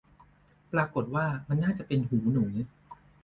ปรากฏว่า มันน่าจะเป็นหูหนู